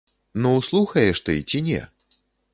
Ну, слухаеш ты ці не?